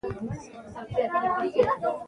ازادي راډیو د سیاست په اړه د نوښتونو خبر ورکړی.